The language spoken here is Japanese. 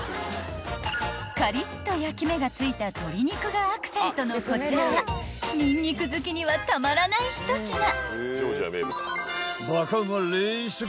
［カリッと焼き目が付いた鶏肉がアクセントのこちらはニンニク好きにはたまらない一品］